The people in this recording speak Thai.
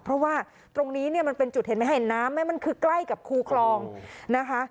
เพราะว่าตรงนี้เนี่ยมันเป็นจุดเห็นไหมเห็นน้ำไหมมันคือใกล้กับคูคลองนะคะ